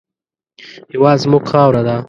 هېواد زموږ خاوره ده